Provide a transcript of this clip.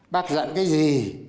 bác dặn cái gì